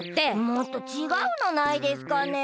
もっとちがうのないですかね？